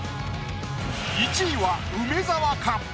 １位は梅沢か？